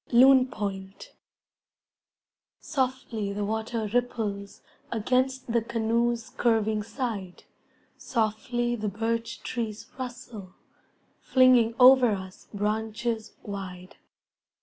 Loon Point Softly the water ripples Against the canoe's curving side, Softly the birch trees rustle Flinging over us branches wide.